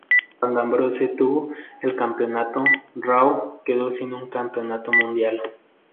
Cuando Ambrose retuvo el campeonato, "Raw" se quedó sin un Campeonato Mundial.